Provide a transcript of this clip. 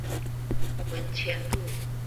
文前路